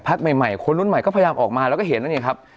พักใหม่คนรุ่นใหม่ก็พยายามออกมาแล้วก็เห็นแล้วเนี่ยครับ